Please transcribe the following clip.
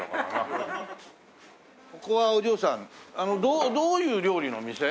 ここはお嬢さんどういう料理の店？